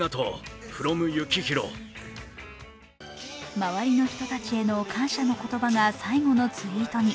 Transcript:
周りの人たちへの感謝の言葉が最後のツイートに。